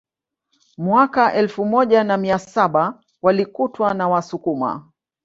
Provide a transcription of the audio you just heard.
Mwaka elfu moja na mia saba walikutwa na Wasukuma